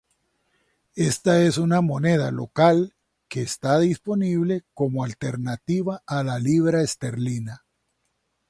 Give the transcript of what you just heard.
Esta es una moneda local que está disponible como alternativa a la libra esterlina.